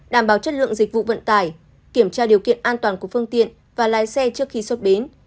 đảm bảo chất lượng dịch vụ vận tải kiểm tra điều kiện an toàn của phương tiện và lái xe trước khi xuất bến